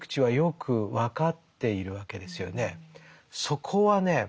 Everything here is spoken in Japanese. そこはね